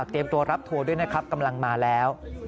ตัวรับทัวร์ด้วยนะครับกำลังมาแล้ว